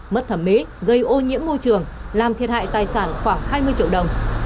mất thẩm mỹ gây ô nhiễm môi trường làm thiệt hại tài sản khoảng hai mươi triệu đồng